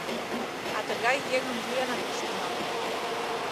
А тыгай еҥым лӱенак пыштыман.